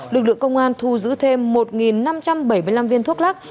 lực lượng công an thu giữ thêm một năm trăm bảy mươi năm viên thuốc lắc